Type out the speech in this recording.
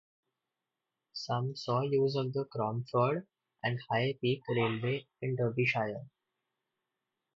Some saw use on the Cromford and High Peak Railway in Derbyshire.